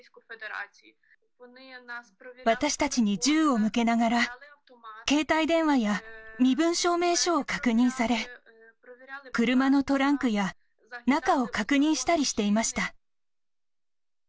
私たちに銃を向けながら、携帯電話や身分証明書を確認され、車のトランクや中を確認したりしていました。